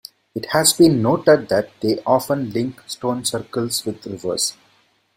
It has been noted that they often link stone circles with rivers.